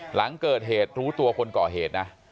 หลังเกิดเหตุรู้ตัวคนก่อเหตุนะ